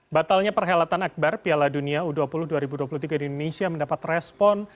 batalnya perhelatan akbar piala dunia u dua puluh dua ribu dua puluh tiga di indonesia mendapat respon